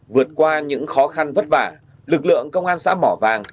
vượt qua những khó khăn vất vả lực lượng công an xã mỏ vàng